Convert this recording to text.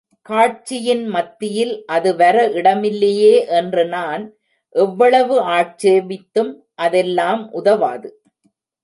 காட்சியின் மத்தியில் அது வர இடமில்லையே என்று நான் எவ்வளவு ஆட்சேபித்தும், அதெல்லாம் உதவாது.